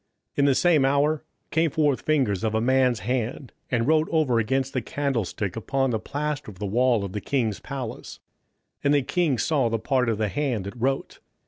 27:005:005 In the same hour came forth fingers of a man's hand, and wrote over against the candlestick upon the plaister of the wall of the king's palace: and the king saw the part of the hand that wrote.